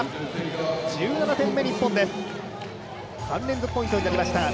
連続ポイントになりました。